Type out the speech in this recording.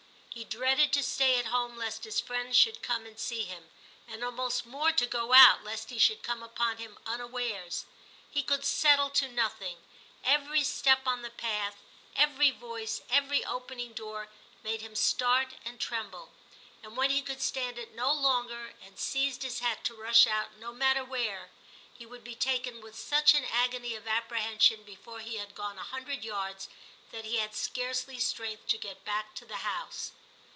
He dreaded to stay at home, lest his friend should come and see him, and almost more to go out, lest he should come upon him unawares. He could settle to nothing ; every step on the path, every voice, every opening door, made him start and tremble, and when XII TIM 273 he could stand it no longer, and seized his hat to rush out no matter where, he would be taken with such an agony of apprehension before he had gone a hundred yards, that he had scarcely strength to get back to the house.